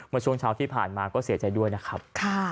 เมื่อช่วงเช้าที่ผ่านมาก็เสียใจด้วยนะครับ